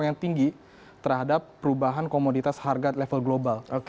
yang tinggi terhadap perubahan komoditas harga level global